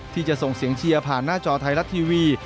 ที่จะส่งเสียงเชียร์ผ่านหน้าจอไทยรัฐทีวี